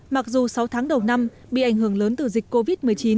mặc dù sáu tháng đầu năm bị ảnh hưởng lớn từ dịch covid một mươi chín